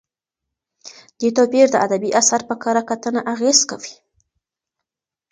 دې توپیر د ادبي اثر په کره کتنه اغېز کوي.